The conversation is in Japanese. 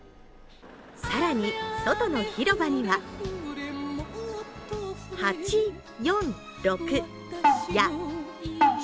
更に、外の広場には８・４・６。